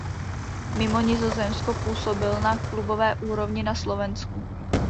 Mimo Nizozemsko působil na klubové úrovni na Slovensku.